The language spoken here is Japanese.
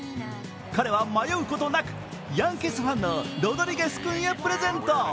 彼は迷うことなくヤンキースファンのロドリゲス君へプレゼント。